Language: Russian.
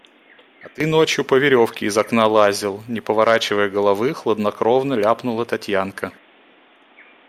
– А ты ночью по веревке из окна лазил, – не поворачивая головы, хладнокровно ляпнула Татьянка.